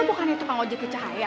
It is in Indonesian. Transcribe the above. lo bukannya tukang ojek ke cahaya